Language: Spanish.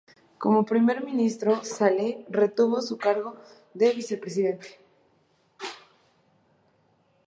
Como Primer ministro Saleh retuvo su cargo de vicepresidente.